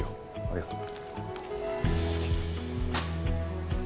ありがとう。